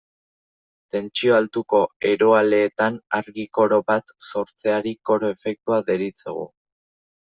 Tentsio altuko eroaleetan argi-koro bat sortzeari koro efektua deritzogu.